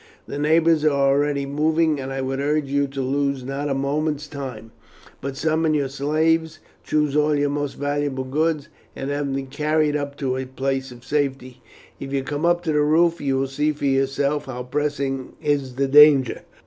The neighbours are already moving, and I would urge you to lose not a moment's time, but summon your slaves, choose all your most valuable goods, and have them carried up to a place of safety. If you come up to the roof you will see for yourself how pressing is the danger."